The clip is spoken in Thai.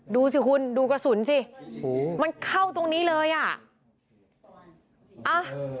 ดูสิคุณดูกระสุนสิมันเข้าตรงนี้เลยอ่ะ